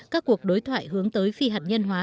các cuộc đối thoại hướng tới phi hạt nhân hóa